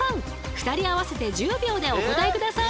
２人合わせて１０秒でお答え下さい。